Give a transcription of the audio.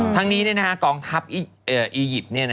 ทั้งนี้กองทัพอียิปต์